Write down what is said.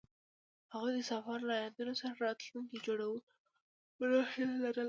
هغوی د سفر له یادونو سره راتلونکی جوړولو هیله لرله.